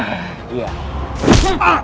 gue akan lepasin lo sekarang